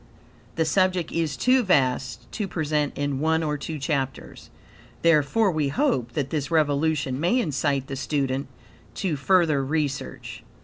The subject is too vast to present in one or two chapters. Therefore we hope that this revelation may incite the student to further research.